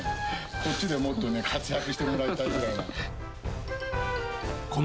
こっちでもっと活躍してもらいたいぐらいなの。